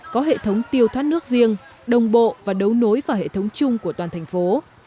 có hệ thống tiêu thoát nước riêng đồng bộ và đấu nối vào hệ thống chung của toàn thành phố